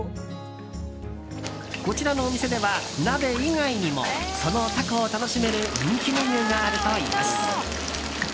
こちらのお店では鍋以外にもそのタコを楽しめる人気メニューがあるといいます。